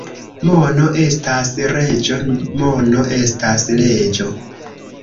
Mono estas reĝo, mono estas leĝo.